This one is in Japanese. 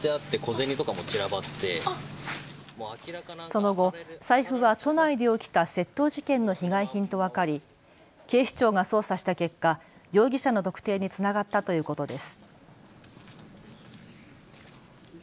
その後、財布は都内で起きた窃盗事件の被害品と分かり警視庁が捜査した結果、容疑者の特定につながったということです。